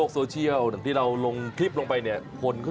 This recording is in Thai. ก็ดีใจตื่นเต้นไหมค่ะค่ะ